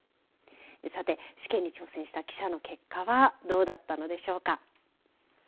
さて、試験に挑戦した記者の結果はどうだったのでしょうか。